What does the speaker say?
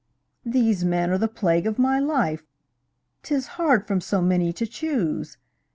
These men are the plague of my life: 'Tis hard from so many to choose!